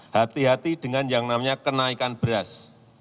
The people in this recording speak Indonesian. hati hati dengan yang namanya kenaikan beras